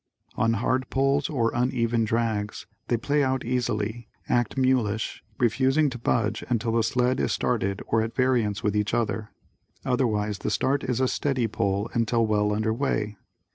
On hard pulls, or uneven drags, they play out easily, act mulish, refusing to budge until the sled is started or at variance with each other. Otherwise, the start is a steady pull until well under way.